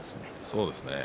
そうですね